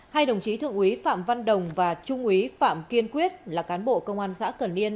hai đồng chí thượng úy phạm văn đồng và trung úy phạm kiên quyết là cán bộ công an xã cần liên